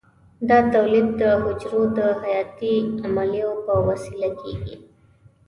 دا تولید د حجرو د حیاتي عملیو په وسیله کېږي.